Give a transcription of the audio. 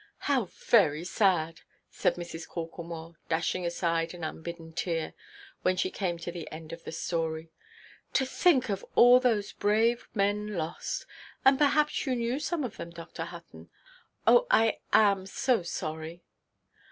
"How very sad!" cried Mrs. Corklemore, dashing aside an unbidden tear, when she came to the end of the story; "to think of all those brave men lost! And perhaps you knew some of them, Dr. Hutton? Oh, I am so sorry!"